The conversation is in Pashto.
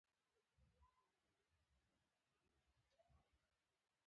دوکاندار د خلکو باور خپل ارزښت ګڼي.